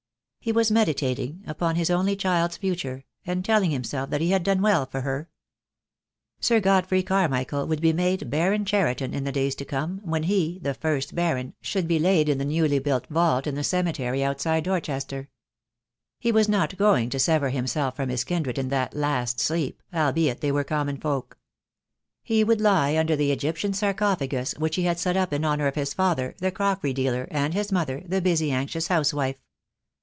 He was meditat ing upon his only child's future, and telling himself that he had done well for her. Sir Godfrey Carmichael would be made Baron Cheriton in the days to come, when he, the first Baron, should be laid in the newly built vault in the cemetery outside Dorchester. He was not going to sever himself from his THE DAY WILL COME. IOI kindred in that last sleep, albeit they were common folk. He would lie under the Egyptian sarcophagus which he had set up in honour of his father, the crockery dealer, and his mother, the busy, anxious house wife.